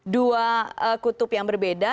dua kutub yang berbeda